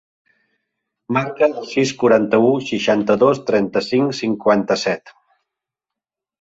Marca el sis, quaranta-u, seixanta-dos, trenta-cinc, cinquanta-set.